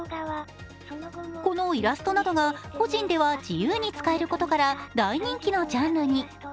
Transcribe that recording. このイラストなどが個人では自由に使えることから大人気のジャンルに。